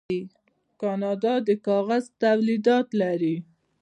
کاناډا د کاغذ تولیدات لري.